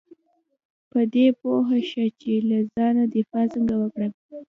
په دې پوه شه چې له ځانه دفاع څنګه وکړم .